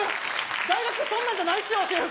大学そんなんじゃないっすよ制服